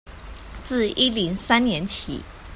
自一零三年起